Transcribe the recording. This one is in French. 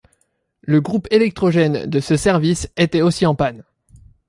Le groupe électrogène de ce service était aussi en panne.